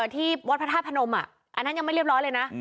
ที่วัดพระธาตุพนมอันนั้นยังไม่เรียบร้อยเลยนะ